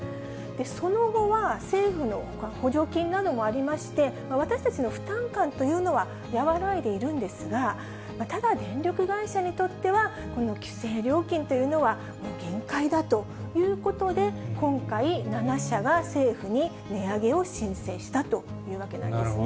その後は、政府の補助金などもありまして、私たちの負担感というのは和らいでいるんですが、ただ、電力会社にとっては、この規制料金というのは、もう限界だということで、今回、７社が政府に値上げを申請したというわけなんですね。